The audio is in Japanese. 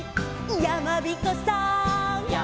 「やまびこさん」